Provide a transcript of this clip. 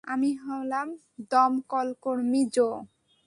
আমি হলাম দমকলকর্মী, জো।